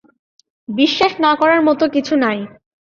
বিশ্বাস না-করার তো কিছু নাই।